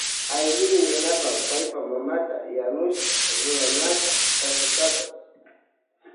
Aylin yanapan paypa mamata yanushpa churanata takshashpapash.